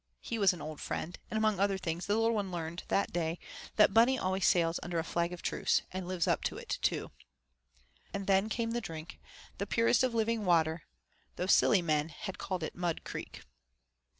He was an old friend; and among other things the little ones learned that day that Bunny always sails under a flag of truce, and lives up to it too. And then came the drink, the purest of living water, though silly men had called it Mud Creek.